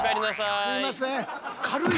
すいません。